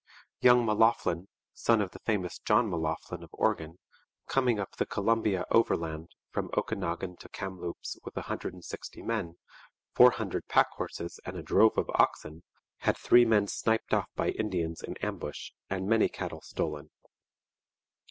Young M'Loughlin, son of the famous John M'Loughlin of Oregon, coming up the Columbia overland from Okanagan to Kamloops with a hundred and sixty men, four hundred pack horses and a drove of oxen, had three men sniped off by Indians in ambush and many cattle stolen.